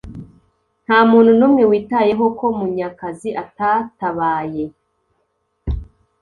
Ntamuntu numwe witayeho ko Munyakazi atatabaye